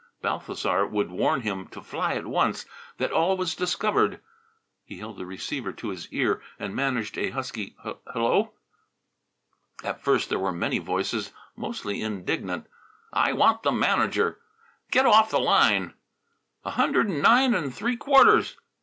Balthasar would warn him to fly at once; that all was discovered. He held the receiver to his ear and managed a husky "Hello!" At first there were many voices, mostly indignant: "I want the manager!" "Get off the line!" "A hundred and nine and three quarters!"